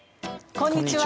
こんにちは。